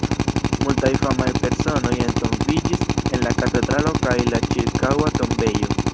Multaj famaj personoj entombiĝis en la katedralo kaj la ĉirkaŭa tombejo.